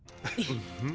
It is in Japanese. うん。